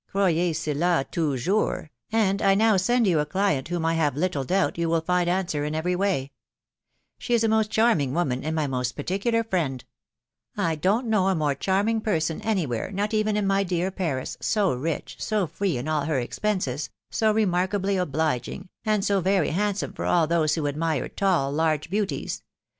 crowyee atffauti* yiwt z 2 940 THE WIDOW BARVABTi ... and I now send you a client whom I hare little doubt you will find answer in every way. She is a most dunning woman,, and my most particular friend. ... I don't know a more charming person any where, not even in my dear Paris, .... so rich, so free in all her expenses, so remarkably obliging, and so very handsome for all those who admire tall, large beauties.